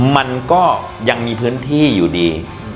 มันก็ยังมีพื้นที่อยู่ดี